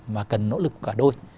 mà cần nỗ lực cả đôi